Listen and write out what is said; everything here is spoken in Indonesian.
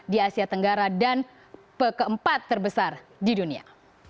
di asia tenggara dan pekempat terbesar di dunia